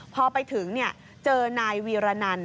พอไปถึงเจอนายวีรนัน